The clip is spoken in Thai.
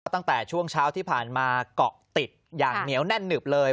ตั้งแต่ช่วงเช้าที่ผ่านมาเกาะติดอย่างเหนียวแน่นหนึบเลย